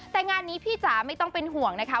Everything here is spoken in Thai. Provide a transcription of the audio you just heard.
แต่งานนี้พี่จ๋าไม่ต้องเป็นห่วงนะคะ